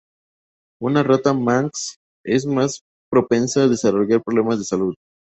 Una rata manx es más propensa a desarrollar problemas de salud.